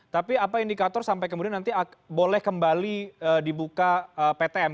tapi apa indikator sampai kemudian nanti boleh kembali dibuka ptm